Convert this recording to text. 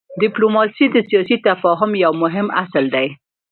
ډيپلوماسي د سیاسي تفاهم یو مهم اصل دی.